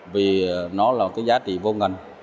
vì nó là giá trị vô ngành